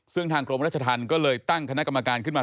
ซึ่งทางกรมราชธรรมก็เลยตั้งคณะกรรมการขึ้นมา